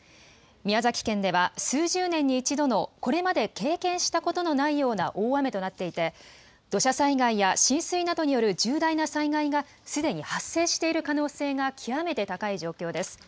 宮崎県では数十年に一度の、これまで経験したことのないような大雨となっていて、土砂災害や浸水などによる重大な災害がすでに発生している可能性が極めて高い状況です。